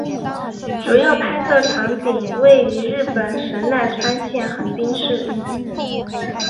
主要拍摄场景位于日本神奈川县横滨市。